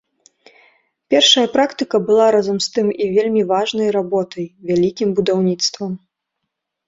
Першая практыка была разам з тым і вельмі важнай работай, вялікім будаўніцтвам.